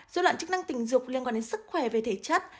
dối loạn chức năng tình dục liên quan đến sức khỏe về thể chất